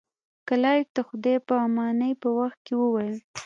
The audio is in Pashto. کلایف د خدای په امانی په وخت کې وویل.